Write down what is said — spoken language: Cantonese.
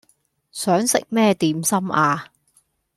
想食咩點心呀